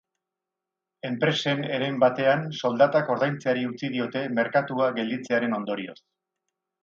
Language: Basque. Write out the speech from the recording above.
Enpresen heren batean soldatak ordaintzeari utzi diote merkatua gelditzearen ondorioz.